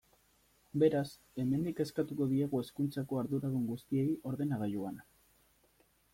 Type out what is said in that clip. Beraz, hemendik eskatuko diegu hezkuntzako arduradun guztiei ordenagailu bana.